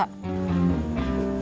nyawa acil terancam bar